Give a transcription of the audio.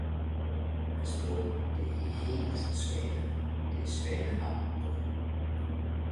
pas paa, det er ikke heelt Svane, det er Svaneham kun!